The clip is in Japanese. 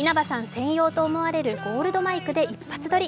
専用と思われるゴールドマイクで一発撮り。